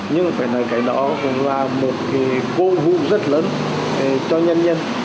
nhưng phải nói cái đó cũng là một cái cố vụ rất lớn cho nhân nhân